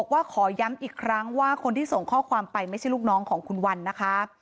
ว่าคนที่ส่งข้อความไปไม่ใช่ลูกน้องของคุณวันนะคะ